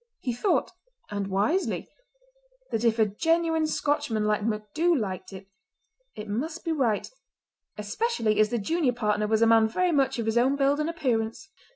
He thought, and wisely, that if a genuine Scotchman like MacDhu liked it, it must be right—especially as the junior partner was a man very much of his own build and appearance.